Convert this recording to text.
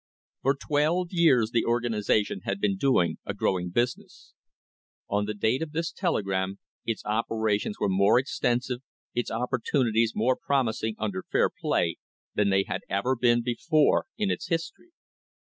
For twelve years the organisation had been doing a growing business. On the date of this telegram its operations were more extensive, its opportunities more promising, under fair play, than they had #er been before in its history.